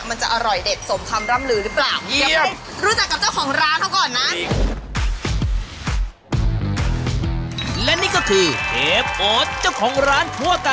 มันจะอร่อยเด็ดสมคำร่ำลือหรือเปล่า